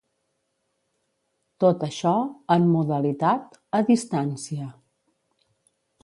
Tot això en modalitat a distància.